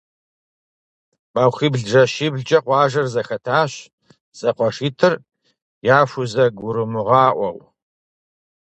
Махуибл-жэщиблкӏэ къуажэр зэхэтащ, зэкъуэшитӏыр яхузэгурымыгъаӏуэу.